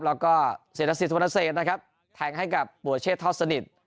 แล้วก็เซธะศิษย์สวนเซธนะครับแท็งให้กับป่วยเชศท่อสนิท